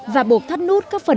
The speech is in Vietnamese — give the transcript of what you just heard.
và bột thắt nút các phần ống